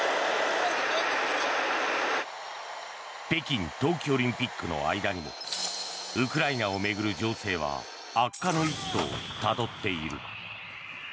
北京冬季オリンピックの間にウクライナを巡る情勢は悪化の一途をたどっている。